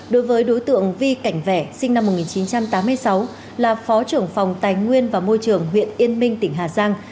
đối với đối tượng vi cảnh vẽ sinh năm một nghìn chín trăm tám mươi sáu là phó trưởng phòng tài nguyên và môi trường huyện yên minh tỉnh hà giang